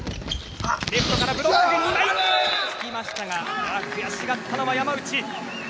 レフトからブロック２枚つきましたが悔しがったのは山内。